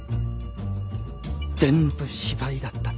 全部芝居だったと？